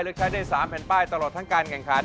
ใช้ได้๓แผ่นป้ายตลอดทั้งการแข่งขัน